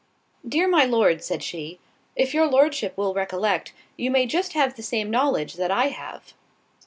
"Dear my Lord," said she, "if your Lordship will recollect, you may just have the same knowledge that I have."